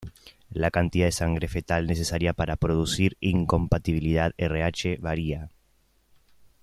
La cantidad de sangre fetal necesaria para producir incompatibilidad Rh varía.